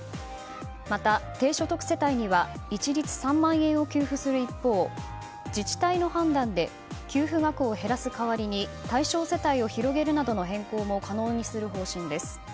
また、低所得世帯には一律３万円を給付する一方自治体の判断で給付額を減らす代わりに対象世帯を広げるなどの変更も可能にする方針です。